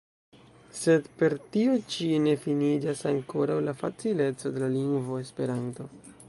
Sed per tio ĉi ne finiĝas ankoraŭ la facileco de la lingvo Esperanto.